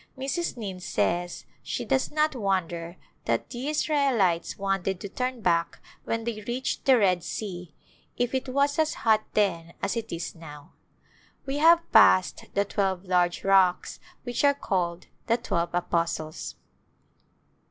Mrs. Nind says she does not wonder that the Israelites wanted to turn back when they reached the Red Sea if it was as hot then as it is now. We have passed the twelve large rocks which are called " The Twelve Apostles."